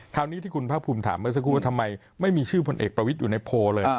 คราวนี้ที่คุณภาคภูมิถามเมื่อสักครู่ว่าทำไมไม่มีชื่อพลเอกประวิทย์อยู่ในโพลเลย